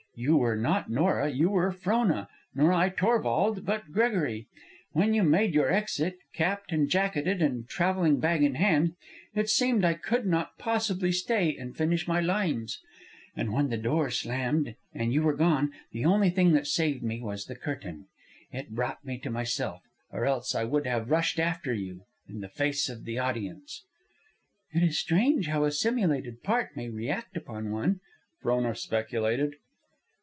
You were not Nora, you were Frona; nor I Torvald, but Gregory. When you made your exit, capped and jacketed and travelling bag in hand, it seemed I could not possibly stay and finish my lines. And when the door slammed and you were gone, the only thing that saved me was the curtain. It brought me to myself, or else I would have rushed after you in the face of the audience." "It is strange how a simulated part may react upon one," Frona speculated.